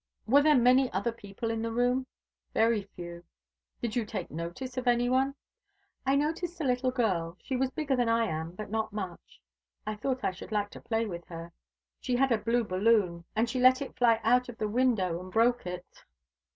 "Were there many other people in the room?" "Very few." "Did you take notice of any one?" "I noticed a little girl. She was bigger than I am, but not much. I thought I should like to play with her. She had a blue balloon, and she let it fly out of the window and broke it."